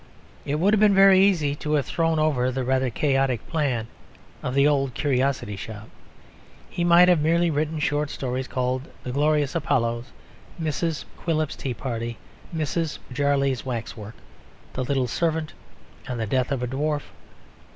It would have been very easy to have thrown over the rather chaotic plan of the Old Curiosity Shop. He might have merely written short stories called "The Glorious Apollos," "Mrs. Quilp's Tea Party," "Mrs. Jarley's Waxwork," "The Little Servant," and "The Death of a Dwarf."